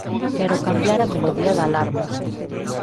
Quero cambiar a melodía da alarma